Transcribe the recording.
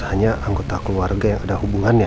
hanya anggota keluarga yang ada hubungannya